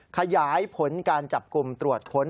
ขยายผลการจับกลุ่มตรวจค้น